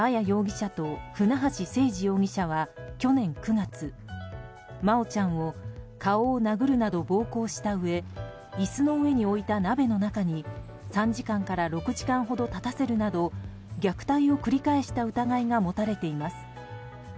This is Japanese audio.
容疑者と船橋誠二容疑者は去年９月、真愛ちゃんを顔を殴るなど暴行したうえ椅子の上に置いた鍋の中に３時間から６時間ほど立たせるなど虐待を繰り返した疑いが持たれています。